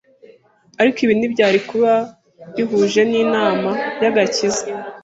ariko ibi ntibyari kuba bihuje n’inama y’agakiza.